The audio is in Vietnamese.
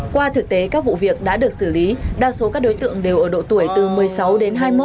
qua thực tế các vụ việc đã được xử lý đa số các đối tượng đều ở độ tuổi từ một mươi sáu đến hai mươi một